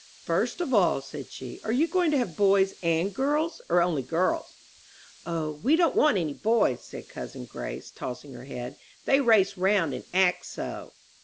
"First of all," said she, "are you going to have boys and girls, or only girls?" "O, we don't want any boys," said cousin Grace, tossing her head; "they race round, and act so."